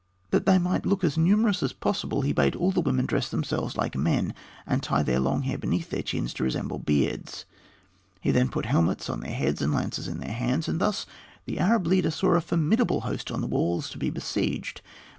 That they might look as numerous as possible, he bade all the women dress themselves like men and tie their long hair beneath their chins to resemble beards. He then put helmets on their heads and lances in their hands, and thus the Arab leader saw a formidable host on the walls to be besieged.